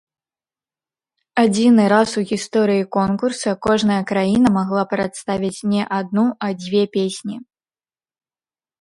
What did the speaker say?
Адзіны раз у гісторыі конкурса кожная краіна магла прадставіць не адну, а дзве песні.